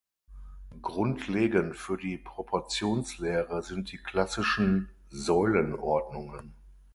Grundlegend für die Proportionslehre sind die klassischen Säulenordnungen.